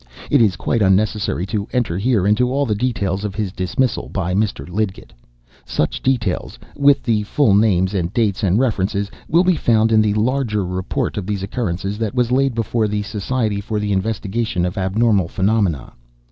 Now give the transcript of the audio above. It is quite unnecessary to enter here into all the details of his dismissal by Mr. Lidgett. Such details, with the full names and dates and references, will be found in the larger report of these occurrences that was laid before the Society for the Investigation of Abnormal Phenomena.